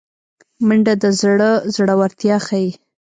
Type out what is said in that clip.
منډه د زړه زړورتیا ښيي